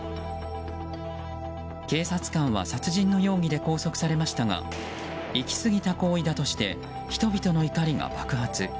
警察官は殺人の容疑で拘束されましたがいきすぎた行為だとして人々の怒りが爆発。